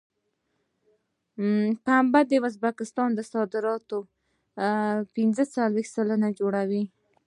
پنبه د ازبکستان د صادراتو پنځه څلوېښت سلنه جوړوي.